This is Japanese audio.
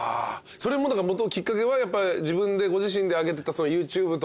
それもきっかけはご自身であげてたＹｏｕＴｕｂｅとか。